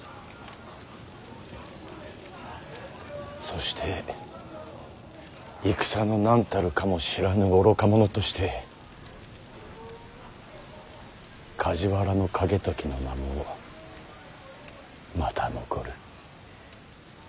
そして戦のなんたるかも知らぬ愚か者として梶原景時の名もまた残る。